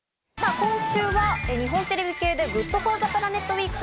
今週は日本テレビ系でＧｏｏｄＦｏｒｔｈｅＰｌａｎｅｔ